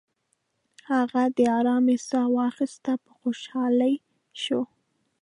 هغې د آرامی ساه واخیستل، په خوشحالۍ شوه.